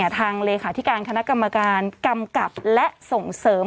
ทางเลขาธิการคณะกรรมการกำกับและส่งเสริม